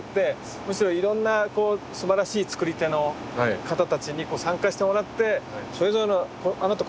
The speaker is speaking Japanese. むしろいろんなすばらしい作り手の方たちに参加してもらってそれぞれのあなた